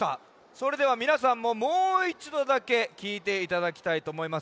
それではみなさんももう１どだけきいていただきたいとおもいます。